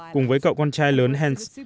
cùng với cậu con trai lớn hans